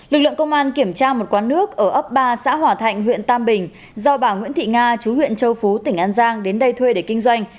lực lượng công an kiểm tra một quán nước ở ấp ba xã hòa thạnh huyện tam bình do bà nguyễn thị nga chú huyện châu phú tỉnh an giang đến đây thuê để kinh doanh